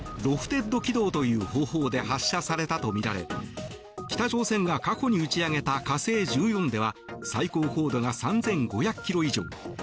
ロフテッド軌道という方法で発射されたとみられ北朝鮮が過去に打ち上げた火星１４では最高高度が３５００ｋｍ以上。